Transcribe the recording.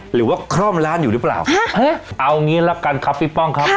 หรือว่าคล่อมร้านอยู่หรือเปล่าเอางี้ละกันครับพี่ป้องครับ